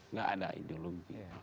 enggak ada ideologi